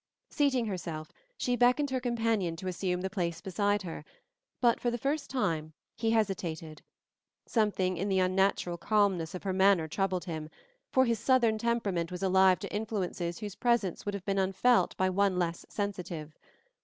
Seating herself, she beckoned her companion to assume the place beside her, but for the first time he hesitated. Something in the unnatural calmness of her manner troubled him, for his southern temperament was alive to influences whose presence would have been unfelt by one less sensitive.